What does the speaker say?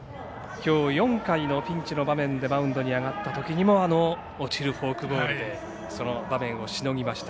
きょう４回のピンチの場面でマウンドに上がったときもあの落ちるフォークボール場面をしのぎました。